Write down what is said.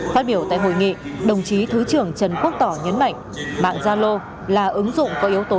phát biểu tại hội nghị đồng chí thứ trưởng trần quốc tỏ nhấn mạnh mạng gia lô là ứng dụng có yếu tố